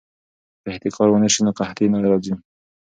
که احتکار ونه شي نو قحطي نه راځي.